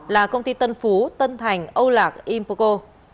là công ty tân phú tân thành âu lạc impoco